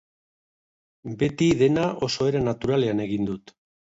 Beti dena oso era naturalean egin dut.